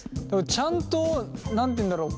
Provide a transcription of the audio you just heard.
ちゃんと何て言うんだろう。